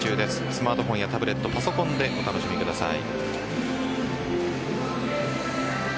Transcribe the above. スマートフォンやタブレットパソコンでお楽しみください。